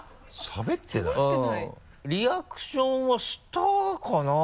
リアクションはしたかな？